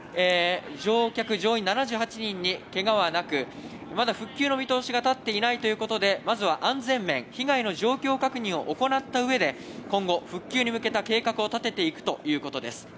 乗客・乗員７８人にけがはなく、まだ復旧の見通しが立っていないということで、まずは安全面、被害の状況確認を行った上で、今後、復旧に向けた計画を立てていくということです。